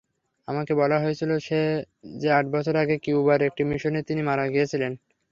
আমাকে বলা হয়েছিল যে আট বছর আগে কিউবার একটি মিশনে তিনি মারা গিয়েছিলেন।